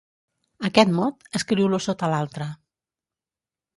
Aquest mot, escriu-lo sota l'altre.